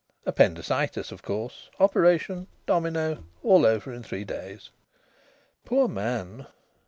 "Appendicitis, of course. Operation domino! All over in three days." "Poor man!"